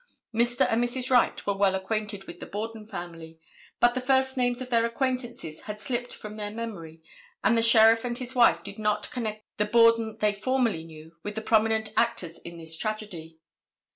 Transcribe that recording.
Mr. and Mrs. Wright were well acquainted with the Borden family, but the first names of their acquaintances had slipped from their memory, and the Sheriff and his wife did not connect the Borden they formerly knew with the prominent actors in this tragedy.